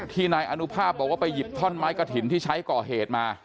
ที่นายอามอนุภาพไปหยิบถ้อนไม้กระถินที่ใช้ก่อเหตุมา